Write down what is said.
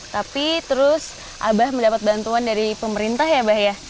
tapi terus abah mendapat bantuan dari pemerintah ya abah ya